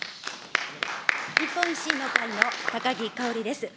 日本維新の会の高木かおりです。